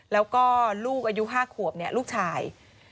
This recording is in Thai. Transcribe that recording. แล้วก็ลูกอายุห้าขวบเนี่ยลูกชาย